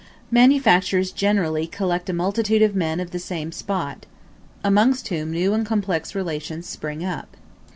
Manufactures generally collect a multitude of men of the same spot, amongst whom new and complex relations spring up.